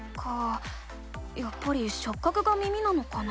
やっぱりしょっ角が耳なのかな？